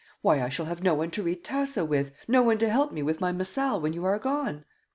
Why, I shall have no one to read Tasso with no one to help me with my Missal when you are gone."